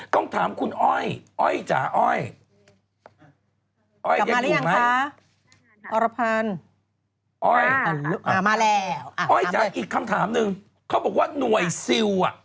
ต้องถามคุณอ้อยอ้อยจ๋าอ้อยอ้อยอีกคำถามหนึ่งเขาบอกว่าหน่วยซิลอ่ะ